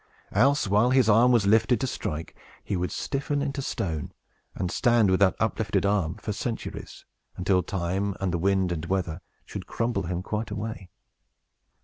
Else, while his arm was lifted to strike, he would stiffen into stone, and stand with that uplifted arm for centuries, until time, and the wind and weather, should crumble him quite away.